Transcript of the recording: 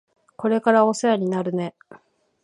これからお世話になるね。